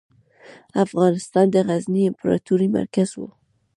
افغانستان د غزني امپراتورۍ مرکز و.